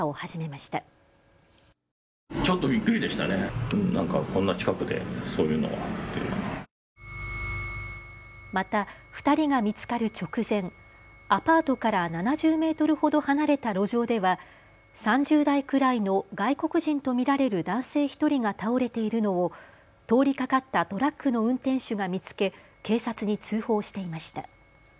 また２人が見つかる直前、アパートから７０メートルほど離れた路上では３０代くらいの外国人と見られる男性１人が倒れているのを通りかかったトラックの運転手が見つけ警察に通報していました。